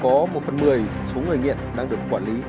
có một phần mười số người nghiện đang được quản lý